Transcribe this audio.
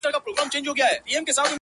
o داسي په ماښام سترگي راواړوه ـ